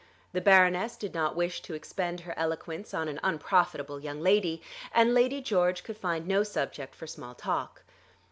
The Baroness did not wish to expend her eloquence on an unprofitable young lady, and Lady George could find no subject for small talk.